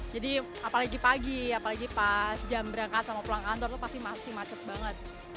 jadi apalagi pagi apalagi pas jam berangkat sama pulang kantor tuh pasti masih macet banget